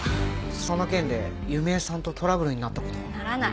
その件で弓江さんとトラブルになった事は？ならない。